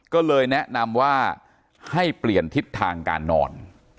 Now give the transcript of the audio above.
ก็เลยแนะนำว่าให้เปลี่ยนทิศทางการนอน